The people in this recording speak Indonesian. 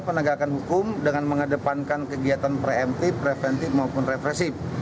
penegakan hukum dengan mengedepankan kegiatan preemptif preventif maupun represif